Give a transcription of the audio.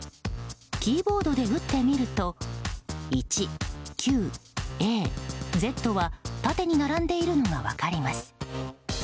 キーボードで打ってみると１ｑａｚは縦に並んでいるのが分かります。